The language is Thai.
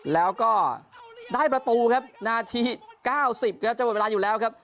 แล้วก็ได้ประตูครับนาที๙๐ครับจะหมดเวลาอยู่แล้วครับ